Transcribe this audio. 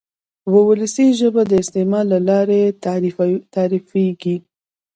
وولسي ژبه د استعمال له لارې تعریفېږي.